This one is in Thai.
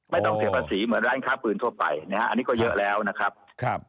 ไม่ต้องเสียภาษีเหมือนร้านค้าปืนทั่วไปนะฮะอันนี้ก็เยอะแล้วนะครับ